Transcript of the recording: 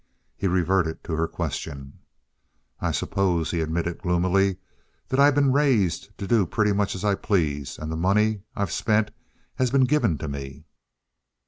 He reverted to her question. "I suppose," he admitted gloomily, "that I've been raised to do pretty much as I please and the money I've spent has been given to me."